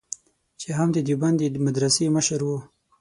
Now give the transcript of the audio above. چې هم د دیوبند د مدرسې مشر و.